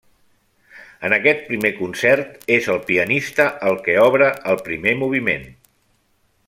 En aquest primer concert és el pianista el que obre el primer moviment.